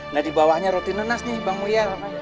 nah di bawahnya roti nenas nih bang muya